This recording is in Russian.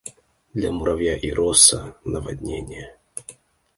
Для муравья и роса - наводнение.